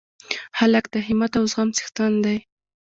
هلک د همت او زغم څښتن دی.